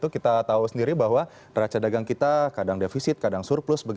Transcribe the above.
kita tahu sendiri bahwa raca dagang kita kadang defisit kadang surplus